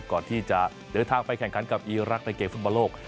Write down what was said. ก่อนที่จะเดินทางไปแข่งขันกับอีรักษ์ในเกมฟุตบอลโลก